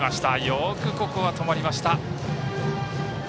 よくここは止まりました。